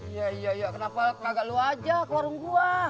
iya iya iya kenapa kagak lo aja ke warung gue